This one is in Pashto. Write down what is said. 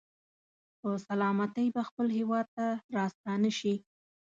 په سلامتۍ به خپل هېواد ته راستانه شي.